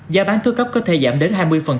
gia bán thư cấp có thể giảm đến hai mươi